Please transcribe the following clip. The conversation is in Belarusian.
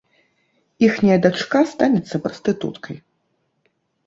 Іхняя дачка станецца прастытуткай.